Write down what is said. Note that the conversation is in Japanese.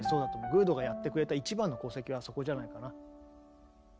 グールドがやってくれた一番の功績はそこじゃないかな。